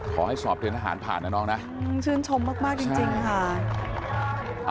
ขอให้สอบเตรียมทหารผ่านนะน้องนะชื่นชมมากจริงค่ะ